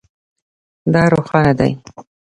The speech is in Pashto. دا روښانه دی